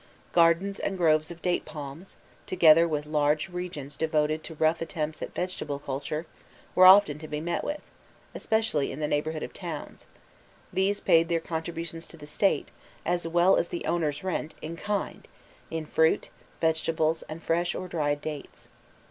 Gardens and groves of date palms, together with large regions devoted to rough attempts at vegetable culture, were often to be met with, especially in the neighbourhood of towns; these paid their contributions to the State, as well as the owners'rent, in kind in fruit, vegetables, and fresh or dried dates.